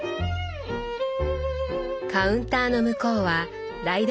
カウンターの向こうは台所。